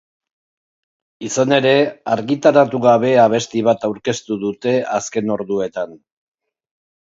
Izan ere, argitaratu gabe abesti bat aurkeztu dute azken orduetan.